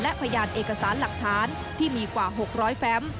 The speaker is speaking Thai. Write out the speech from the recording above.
และพยานเอกสารหลักฐานที่มีกว่า๖๐๐แฟม